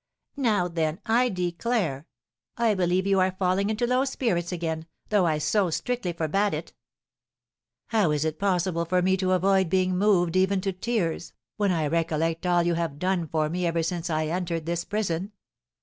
"Now then, I declare, I believe you are falling into low spirits again, though I so strictly forbade it." "How is it possible for me to avoid being moved even to tears, when I recollect all you have done for me ever since I entered this prison?